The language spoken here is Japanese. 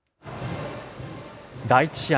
第１試合。